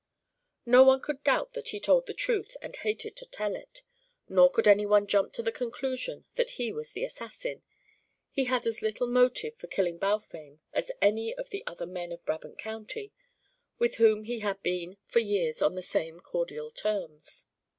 No one could doubt that he told the truth and hated to tell it. Nor could any one jump to the conclusion that he was the assassin; he had as little motive for killing Balfame as any of the other men of Brabant County with whom he had been for years on the same cordial terms.